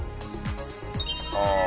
ああ。